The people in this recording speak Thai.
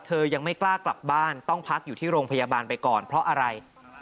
ยังไม่กล้ากลับบ้านต้องพักอยู่ที่โรงพยาบาลไปก่อนเพราะอะไร